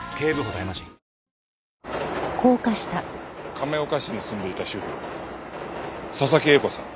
亀岡市に住んでいた主婦佐々木栄子さん。